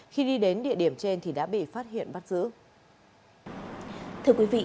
khi đi đến địa điểm trên thì đã bị phát hiện bắt giữ